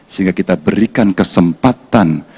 sehingga kita berikan kesempatan